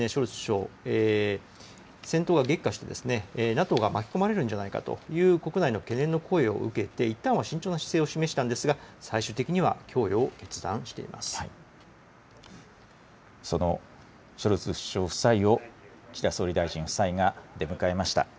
いったんはショルツ首相、戦闘が激化してＮＡＴＯが巻き込まれるんじゃないかという国内の懸念の声を受けていったんは慎重な姿勢を示したんですが、最終的には供そのショルツ首相夫妻を、岸田総理大臣夫妻が出迎えました。